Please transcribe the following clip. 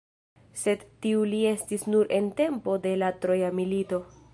Sed tiu li estis nur en tempo de la Troja milito.